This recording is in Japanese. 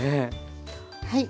はい。